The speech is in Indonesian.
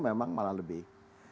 memang malah lebih